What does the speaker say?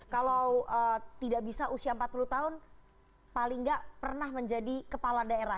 kalau tidak bisa usia empat puluh tahun paling nggak pernah menjadi kepala daerah